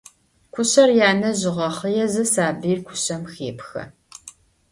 Кушъэр янэжъ ыгъэхъыезэ, сабыир кушъэм хепхэ.